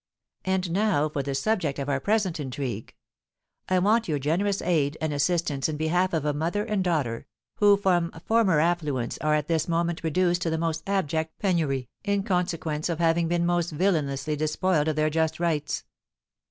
And now for the subject of our present intrigue. I want your generous aid and assistance in behalf of a mother and daughter, who from former affluence are at this moment reduced to the most abject penury, in consequence of having been most villainously despoiled of their just rights."